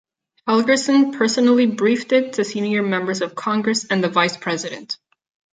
Helgerson personally briefed it to senior members of Congress and the vice president.